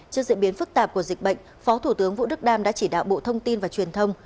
trước diễn biến phức tạp của dịch bệnh phó thủ tướng vũ đức đam đã chỉ đạo bộ thông tin và truyền thông